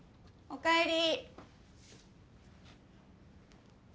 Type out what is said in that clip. おかえり。